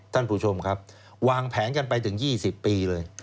ท่านผู้ชมครับวางแผนกันไปถึง๒๐ปีเลย